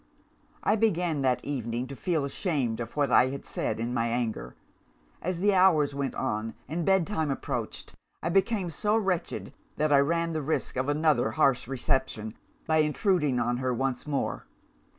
I began, that evening, to feel ashamed of what I had said in my anger. As the hours went on, and bedtime approached, I became so wretched that I ran the risk of another harsh reception, by intruding on her once more.